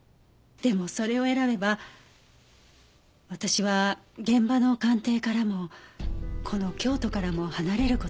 でもそれを選べば私は現場の鑑定からもこの京都からも離れる事になります。